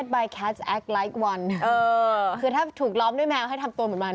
บอกว่าถ้าถูกล้อมด้วยแมวให้ทำตัวเหมือนมัน